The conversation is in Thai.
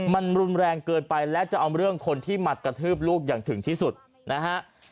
มันรุนแรงเกินไปและจะเอาเรื่องคนที่มากระทืบลูกอย่างถึงที่สุดนะฮะ